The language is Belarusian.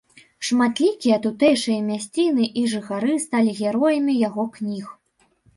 Шматлікія тутэйшыя мясціны і жыхары сталі героямі яго кніг.